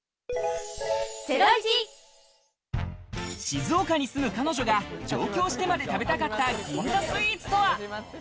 静岡に住む彼女が上京してまで食べたかった銀座スイーツとは？